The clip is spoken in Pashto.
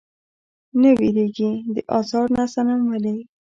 نۀ ويريږي د ازار نه صنم ولې؟